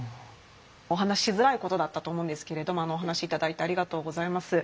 お話ししづらいことだったと思うんですけれどもお話し頂いてありがとうございます。